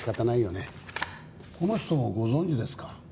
この人をご存じですか？